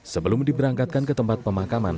sebelum diberangkatkan ke tempat pemakaman